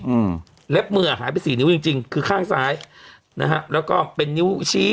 อืมเล็บมืออ่ะหายไปสี่นิ้วจริงจริงคือข้างซ้ายนะฮะแล้วก็เป็นนิ้วชี้